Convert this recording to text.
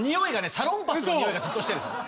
サロンパスのにおいがずっとしてる。